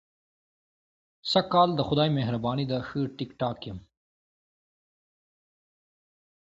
سږ کال د خدای مهرباني ده، ښه ټیک ټاک یم.